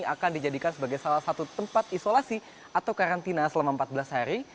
akan dijadikan sebagai salah satu tempat isolasi atau karantina selama empat belas hari